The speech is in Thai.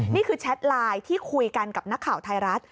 แชทไลน์ที่คุยกันกับนักข่าวไทยรัฐ